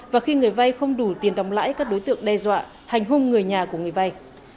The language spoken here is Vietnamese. và khi người vay không đủ tiền đóng lãi các đối tượng đe dọa hành hung người nhà của người vay